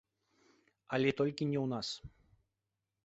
Але толькі не ў нас.